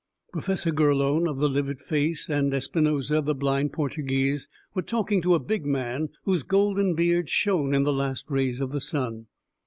Professor Gurlone of the livid face and Espinosa the blind Portuguese, were talking to a big man whose golden beard shone in the last rays of the sun.